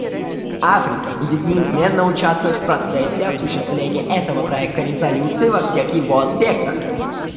Африка будет неизменно участвовать в процессе осуществления этого проекта резолюции во всех его аспектах.